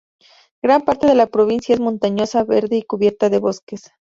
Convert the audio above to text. Gran parte de la provincia es montañosa, verde y cubierta de bosques.